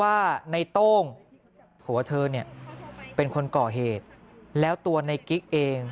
ไม่เขาจะเป็นคนไม่เล่าไม่บอก